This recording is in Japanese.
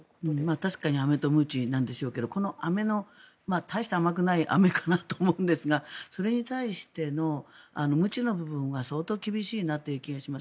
確かにアメとムチなんでしょうけどこのアメの、大して甘くないアメかと思いますがそれに対してのムチの部分は相当厳しいなという気がします。